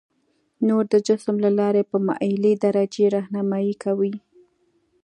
نور د جسم له لارې په مایلې درجې رهنمایي کوي.